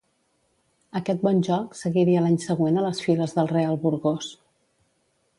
Aquest bon joc seguiria l'any següent a les files del Real Burgos.